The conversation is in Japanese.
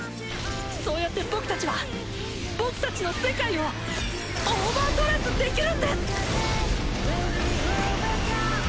そうやって僕たちは僕たちの世界をオーバードレスできるんです！